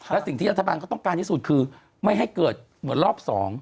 และสิ่งที่รัฐบาลเขาต้องการที่สุดคือไม่ให้เกิดเหมือนรอบ๒